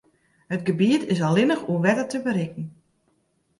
It gebiet is allinnich oer wetter te berikken.